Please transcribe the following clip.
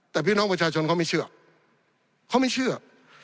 แต่พี่น้องประชาชนเขาไม่เชื่อเขาไม่เชื่อ